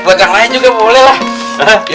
buat yang lain juga boleh lah